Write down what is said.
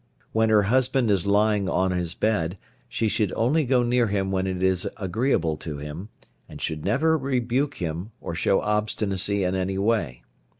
When her husband is lying on his bed she should only go near him when it is agreeable to him, and should never rebuke him, or show obstinacy in any way.